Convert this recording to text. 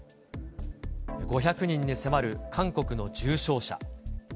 ５００人に迫る韓国の重症者。